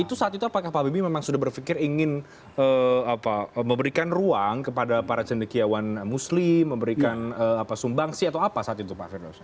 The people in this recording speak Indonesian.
itu saat itu apakah pak bibi memang sudah berpikir ingin memberikan ruang kepada para cendekiawan muslim memberikan sumbangsi atau apa saat itu pak ferno